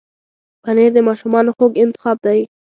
پنېر د ماشومانو خوږ انتخاب دی.